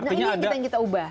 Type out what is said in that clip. ini yang kita ubah